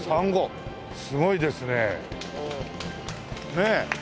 ねえ。